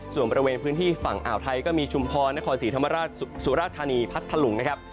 ส่วนบริเวณพื้นที่ฝั่งอ่าวไทยก็มีชุมพรนครศรีธรรมราชสุราธานีพัทธลุงนะครับ